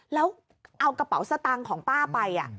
แล้วเอากระเป๋าสตางค์ของป้าไป